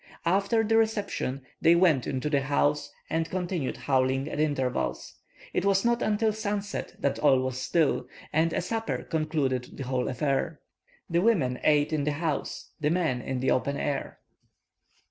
After the reception, they went into the house and continued howling at intervals. It was not until sun set that all was still, and a supper concluded the whole affair. The women ate in the house the men in the open air.